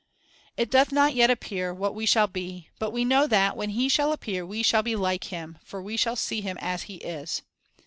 "It doth not yet appear what we shall be; but we know that, when He shall appear, we shall be like Him; for we shall see Him as He is."